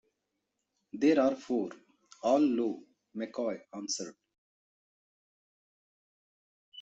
There are four, all low, McCoy answered.